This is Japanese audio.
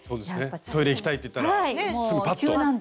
トイレ行きたいって言ったらすぐパッと。